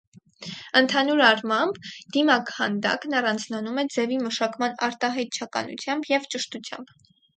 Ընդհանուր առմամբ, դիմաքանդակն առանձնանում է ձևի մշակման արտահայտչականությամբ և ճշտությամբ։